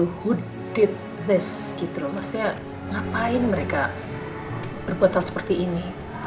who did this gitu maksudnya ngapain mereka berbuat hal seperti ini